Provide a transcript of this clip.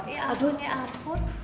aduh ya ampun ya ampun